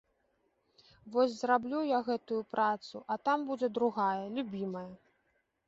Вось зраблю я гэтую працу, а там будзе другая, любімая.